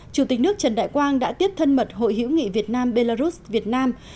chủ tịch nước trần đại quang đã tiếp thân mật hội hiểu nghị việt nam belarus việt nam